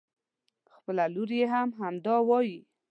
خپله لور يې هم همدا وايي.